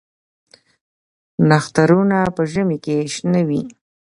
نښتر ونه په ژمي کې شنه وي؟